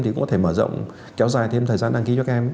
thì cũng có thể mở rộng kéo dài thêm thời gian đăng ký cho các em